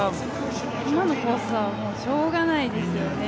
今のコースはもうしょうがないですよね。